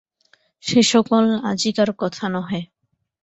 সে সকল আজিকার কথা নহে।